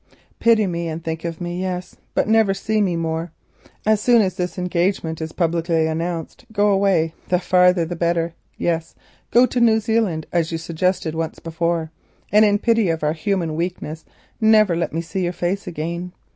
"Pity me and think of me; yes, but never see me more. As soon as this engagement is publicly announced, go away, the further the better. Yes, go to New Zealand, as you suggested once, and in pity of our human weakness never let me see your face again.